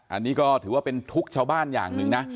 อันนี้ก็ถือว่าเป็นทุกข์ชาวบ้านอย่างหนึ่งนะ